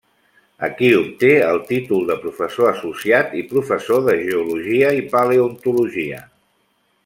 Aquí obté el títol de professor associat i professor de geologia i paleontologia.